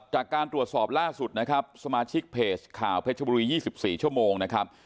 จากการตรวจสอบล่าสุดนะครับสมาชิกเพจข่าวเพชรบุรี๒๔ชั่วโมงนะครับ